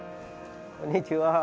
こんにちは。